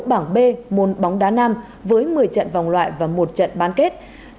bảng b môn bóng đá nam với một mươi trận vòng loại và một trận bán kết